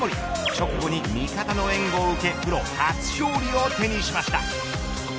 直後に味方の援護を受けプロ初勝利を手にしました。